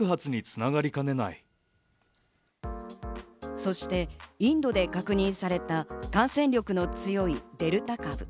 そしてインドで確認された感染力の強いデルタ株。